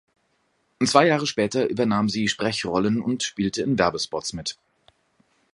Zwei Jahre später übernahm sie Sprechrollen und spielte in Werbespots mit.